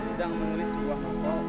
aku sedang menulis sebuah novel